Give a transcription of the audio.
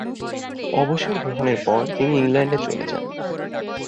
অবসর গ্রহণের পর তিনি ইংল্যান্ড চলে যান।